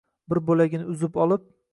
bir boʼlagin uzib olib